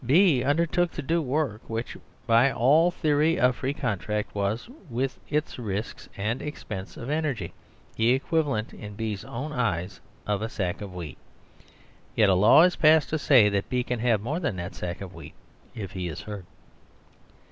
B undertook to do work which, by all the theory of free contract, was, with its risks and its expense of energy, the equivalent in B's own eyes of 1 60 SERVILE STATE HAS BEGUN a sack of wheat ; yet a law is passed to say that B can have more than that sack of wheat if he is hurt.